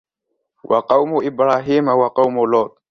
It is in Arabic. وَقَوْمُ إِبْرَاهِيمَ وَقَوْمُ لُوطٍ